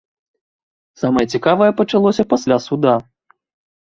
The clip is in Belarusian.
Самае цікавае пачалося пасля суда.